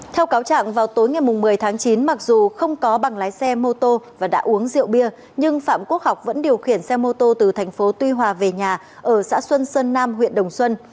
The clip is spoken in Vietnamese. theo cáo trạng vào tối ngày một mươi tháng chín mặc dù không có bằng lái xe mô tô và đã uống rượu bia nhưng phạm quốc học vẫn điều khiển xe mô tô từ thành phố tuy hòa về nhà ở xã xuân sơn nam huyện đồng xuân